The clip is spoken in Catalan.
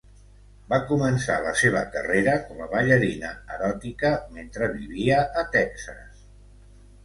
Va començar la seva carrera com a ballarina eròtica, mentre vivia a Texas.